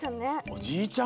おじいちゃん